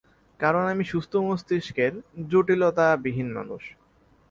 কারন আপনি সুস্থ মস্তিষ্কের, জটিলতা বিহীন মানুষ।